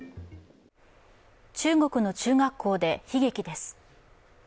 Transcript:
中国の中学校で悲劇です。